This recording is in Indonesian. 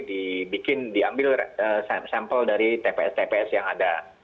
dibikin diambil sampel dari tps tps yang ada